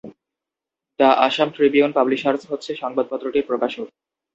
The Assam tribune publishers হচ্ছে সংবাদপত্রটির প্রকাশক।